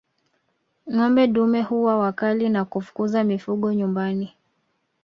Ngombe dume huwa wakali na kufukuza mifugo nyumbani